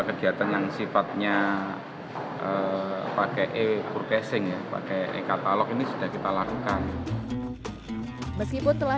kegiatan yang sifatnya pakai e furquesing pakai e katalog ini sudah kita lakukan meskipun telah